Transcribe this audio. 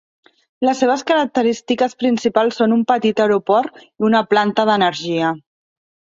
Les seves característiques principals són un petit aeroport i una planta d'energia.